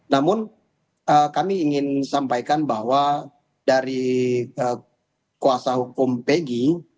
namun kami ingin sampaikan bahwa dari kuasa hukum pegi